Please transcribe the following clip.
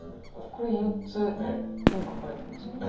これ４つ絵描かれてますけど。